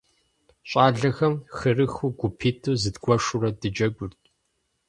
ЩӀалэхэм хырыхыу гупитӀу зыдгуэшурэ дыджэгурт.